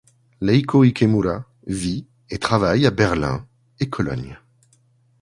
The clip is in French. Leiko Ikemura vit et travaille à Berlin et Cologne.